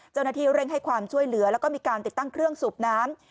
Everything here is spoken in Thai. เจ้าหน้าที่เร่งให้ความช่วยเหลือแล้วก็มีการติดตั้งเครื่องสูบน้ำ